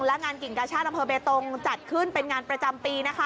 และงานกิ่งกระชาไปเพิ่มเบตตรงจัดขึ้นเป็นงานประจำปีนะคะ